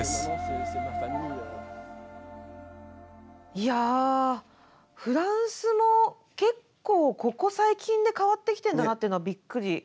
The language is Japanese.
いやフランスも結構ここ最近で変わってきてんだなっていうのはびっくり。